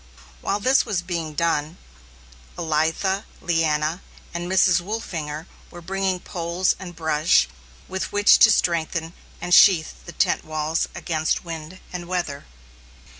While this was being done, Elitha, Leanna, and Mrs. Wolfinger were bringing poles and brush with which to strengthen and sheath the tent walls against wind and weather.